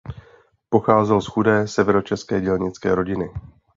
Pocházel z chudé severočeské dělnické rodiny.